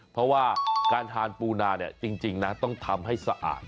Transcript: เพราะว่าการทานปูนาจริงนะต้องทำให้สะอาด